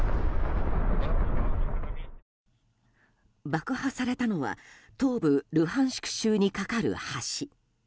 爆破されたのは東部ルハンシク州に架かる橋。